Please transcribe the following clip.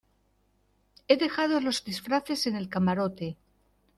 he dejado los disfraces en el camarote.